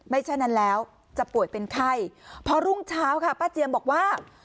ไม่ใช่นั้นแล้วจะป่วยเป็นไข้พอรุ่งเช้าค่ะป้าเจียมบอกว่า